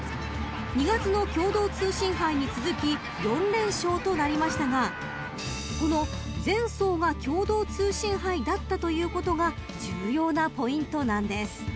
［２月の共同通信杯に続き４連勝となりましたがこの前走が共同通信杯だったということが重要なポイントなんです］